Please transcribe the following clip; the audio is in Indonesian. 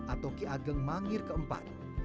atau ki ageng mangir keempat